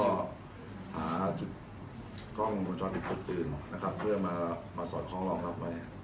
แล้วก็หากล้องกล้องจรปิดทุกอื่นนะครับเพื่อมาสอดคล้องรองรับไว้